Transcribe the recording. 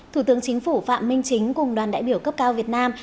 thủ tướng chính phủ phạm minh chính cùng đoàn đại biểu cấp cao việt nam